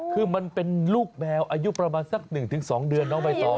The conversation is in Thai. คือมันเป็นลูกแมวอายุประมาณสัก๑๒เดือนน้องใบตอง